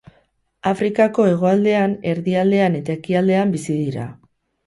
Afrikako hegoaldean, erdialdean eta ekialdean bizi dira.